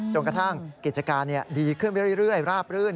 จนกระทั่งกิจการดีขึ้นไปเรื่อยราบรื่น